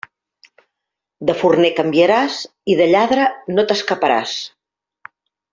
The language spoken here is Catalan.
De forner canviaràs, i de lladre no t'escaparàs.